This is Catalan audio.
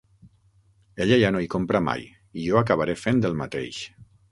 Ella ja no hi compra mai, i jo acabaré fent el mateix.